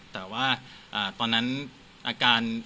แต่ว่าตอนนั้น